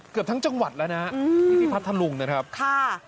เกือบทั้งจังหวัดแล้วนะฮะที่พัทธลุงนะครับค่ะ